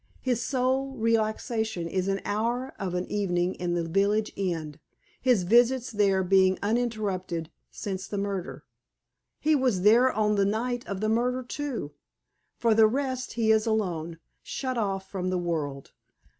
His sole relaxation is an hour of an evening in the village inn, his visits there being uninterrupted since the murder. He was there on the night of the murder, too. For the rest, he is alone, shut off from the world.